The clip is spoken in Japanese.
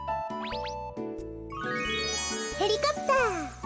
ヘリコプター！